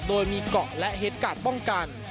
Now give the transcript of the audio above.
โดยมีเกาะและเหตุการณ์ป้องกัน